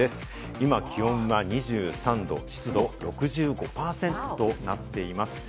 今、気温が２３度、湿度６５％となっています。